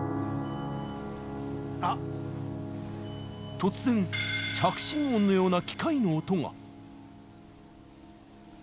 突然着信音のような機械の音が！